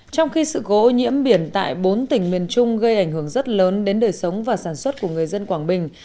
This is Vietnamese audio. trong khi sự gỗ nhiễm biển tại bốn tỉnh miền trung gây ảnh hưởng rất lớn đến đời sống và sản xuất của người dân quảng bình